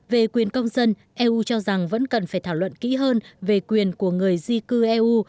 về quyền công dân eu cho rằng vẫn cần phải thảo luận kỹ hơn về quyền của người di cư eu